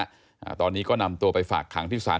เราก็เนี่ยก็นำตัวไปฝากขังที่สาร